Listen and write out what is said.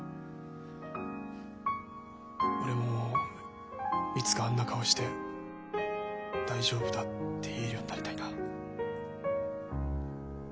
俺もいつかあんな顔して「大丈夫だ」って言えるようになりたいな。